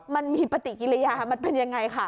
มันมีปฏิกิริยามันเป็นยังไงค่ะ